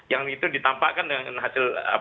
yang itu ditampakkan dengan hasil